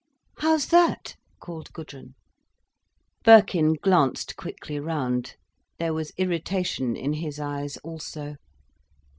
"How's that?" called Gudrun. Birkin glanced quickly round. There was irritation in his eyes also.